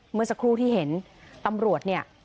เมื่อสักครู่ที่เห็นตำรวจเนี่ย